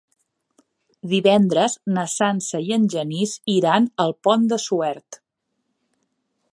Divendres na Sança i en Genís iran al Pont de Suert.